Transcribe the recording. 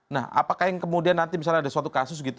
nah apakah yang kemudian nanti misalnya ada suatu kasus gitu